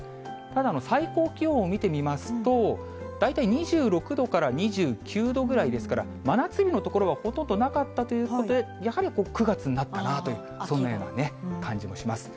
ただ、最高気温を見てみますと、大体２６度から２９度ぐらいですから、真夏日の所はほとんどなかったということで、やはり９月になったなあという、そんなような感じもします。